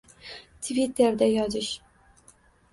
Twitterda yozish: